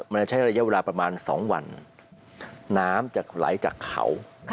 มันจะใช้ระยะเวลาประมาณ๒วันน้ำจะไหลจากเขา